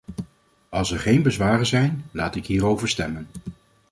Als er geen bezwaren zijn, laat ik hier over stemmen.